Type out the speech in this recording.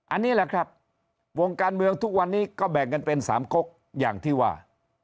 อันนี้แหละครับวงการเมืองทุกวันนี้ก็แบ่งกันเป็นสามกกอย่างที่ว่า